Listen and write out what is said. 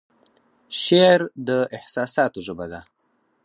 شعر د احساساتو ژبه ده